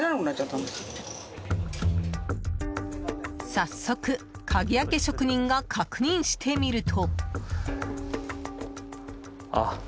早速、鍵開け職人が確認してみると。